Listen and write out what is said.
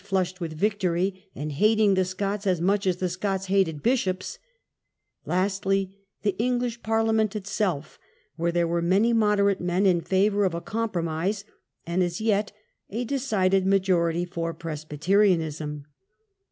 flushed with victory, and hating the Scots as much as the Scots hated bishops; lastly, the English Parliament itself, where there were many moderate men in favour of a compromise, and as yet a decided majority for Presbyterianism.